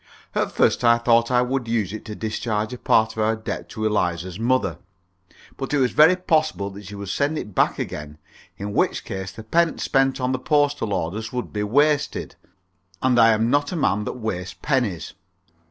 At first I thought I would use it to discharge a part of our debt to Eliza's mother. But it was very possible that she would send it back again, in which case the pence spent on the postal orders would be wasted, and I am not a man that wastes pennies.